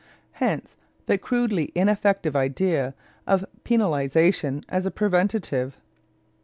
Hence the crudely ineffective idea of penalization as a preventive.